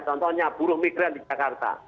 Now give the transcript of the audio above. contohnya buruh migran di jakarta